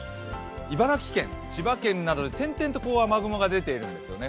茨城県、千葉県などで点々と雨雲が出ているんですね。